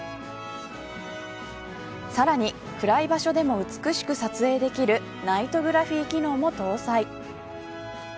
さらに、暗い場所でも美しく撮影できるナイトグラフィー機能も搭載。